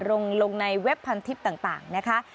ลงในเว็บพันทิพย์ต่างนะคะ